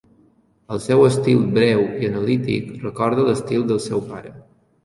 El seu estil breu i analític recorda l'estil del seu pare.